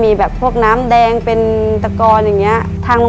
ในแคมเปญพิเศษเกมต่อชีวิตโรงเรียนของหนู